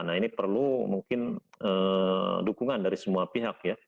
nah ini perlu mungkin dukungan dari semua pihak ya